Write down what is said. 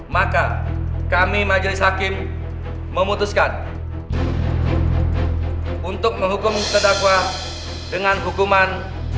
maka kami majelis hakim memutuskan untuk menghukum terdakwa dengan hukuman